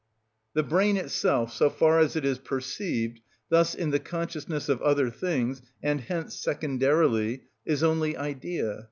The brain itself, so far as it is perceived—thus in the consciousness of other things, and hence secondarily—is only idea.